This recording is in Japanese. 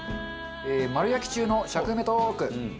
丸焼き中の尺埋めトーク！